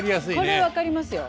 これ分かりますよ。